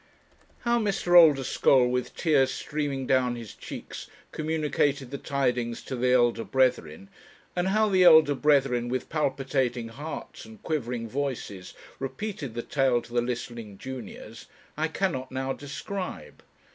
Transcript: How Mr. Oldeschole, with tears streaming down his cheeks, communicated the tidings to the elder brethren; and how the elder brethren, with palpitating hearts and quivering voices, repeated the tale to the listening juniors, I cannot now describe.